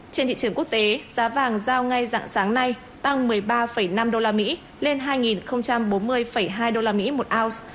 trên thị trường quốc tế giá vàng giao ngay dạng sáng nay tăng một mươi ba năm usd lên hai bốn mươi hai usd một ounce